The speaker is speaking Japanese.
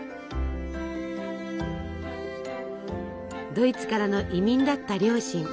ドイツからの移民だった両親。